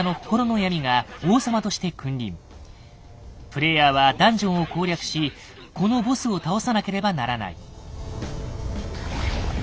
プレイヤーはダンジョンを攻略しこのボスを倒さなければならない。